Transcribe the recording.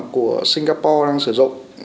của singapore đang sử dụng